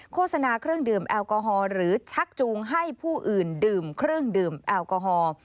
โฆษณาเครื่องดื่มแอลกอฮอล์หรือชักจูงให้ผู้อื่นดื่มเครื่องดื่มแอลกอฮอล์